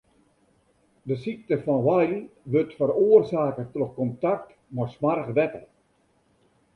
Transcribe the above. De sykte fan Weil wurdt feroarsake troch kontakt mei smoarch wetter.